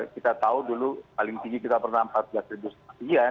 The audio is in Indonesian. kita tahu dulu paling tinggi kita pernah empat belas ribu sekian